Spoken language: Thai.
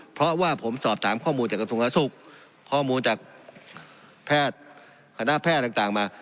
เพราะว่าผมสอบถามข้อมูลจากกระทรวงสาธารณสุขข้อมูลจากแพทย์คณะแพทย์ต่างมา